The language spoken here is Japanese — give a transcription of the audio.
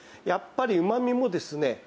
やっぱりうまみもですね